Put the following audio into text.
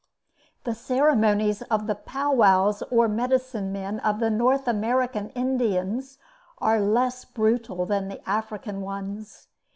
The ceremonies of the pow wows or medicine men of the North American Indians, are less brutal than the African ones.